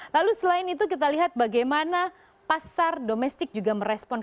lalu selain itu kita lihat bagaimana pasar domestik juga merespon